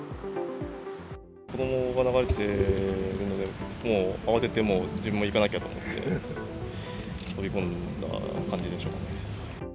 子どもが流れているので、もう慌てて、もう自分も行かなきゃと思って、飛び込んだ感じでしょうかね。